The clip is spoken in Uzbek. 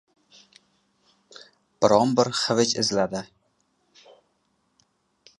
Biron-bir xivich izladi.